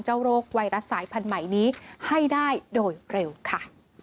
โรคไวรัสสายพันธุ์ใหม่นี้ให้ได้โดยเร็วค่ะ